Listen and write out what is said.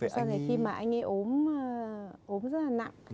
sau này khi mà anh ấy ốm ốm rất là nặng